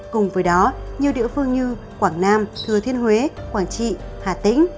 cùng với đó nhiều địa phương như quảng nam thừa thiên huế quảng trị hà tĩnh